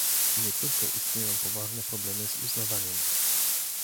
Nie tylko istnieją poważne problemy z uznawaniem